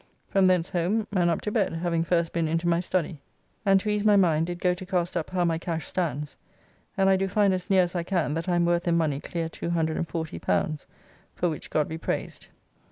From thence home and up to bed, having first been into my study, and to ease my mind did go to cast up how my cash stands, and I do find as near as I can that I am worth in money clear L240, for which God be praised.